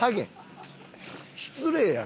失礼やろ。